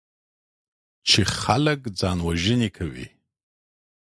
چې خلک ځانوژنې کوي.